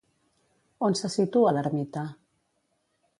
On se situa l'ermita?